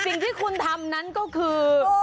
สิ่งที่คุณทำนั้นก็คือ